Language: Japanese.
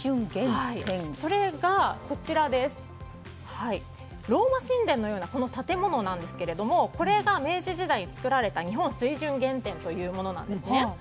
それが、ローマ神殿のような建物なんですがこれが明治時代に作られた日本水準原点というものなんです。